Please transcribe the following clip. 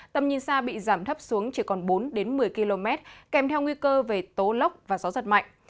tầm nhìn xa bị giảm thấp xuống chỉ còn bốn đến một mươi km kèm theo nguy cơ về tố lốc và gió giật mạnh